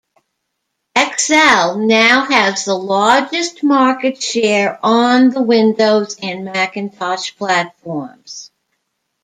Excel now has the largest market share on the Windows and Macintosh platforms.